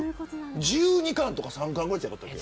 １２巻とか１３巻じゃなかったっけ。